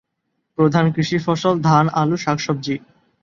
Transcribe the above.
প্রধান কৃষি ফসল ধান, আলু, শাকসবজি।